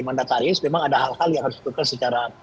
mandataris memang ada hal hal yang harus dilakukan secara